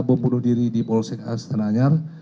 pembunuh diri di polsek as tananyar